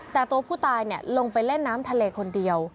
แต่ตัวผู้ตายลงไปเล่นน้ำทะเลคนเดียว